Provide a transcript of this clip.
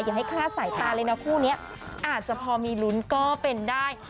อย่าให้คลาดสายตาเลยนะคู่นี้อาจจะพอมีลุ้นก็เป็นได้